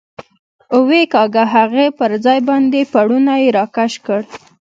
ویې کېکاږه، هغې پر ځان باندې پوړنی را کش کړ.